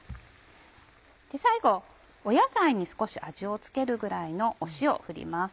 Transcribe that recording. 最後野菜に少し味を付けるぐらいの塩振ります。